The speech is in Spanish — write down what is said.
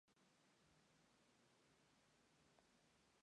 En su niñez fue matriculado en una escuela de estudios religiosos.